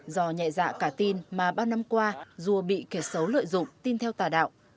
do nhẹ dạ cả tin mà ba năm qua dua bị kẻ xấu lợi dụng tin theo tà đạo